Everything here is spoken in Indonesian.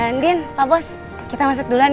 danin pak bos kita masuk duluan ya